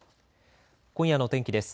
今夜の天気です。